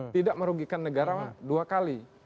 tidak merugikan negara dua kali